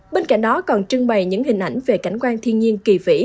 bên cạnh đó còn trưng bày những hình ảnh về cảnh quan thiên nhiên kỳ vĩ